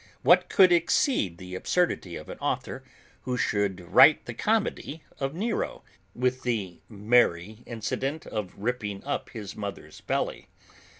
What could exceed the absurdity of an author, who should write the comedy of Nero, with the merry incident of ripping up his mother's belly?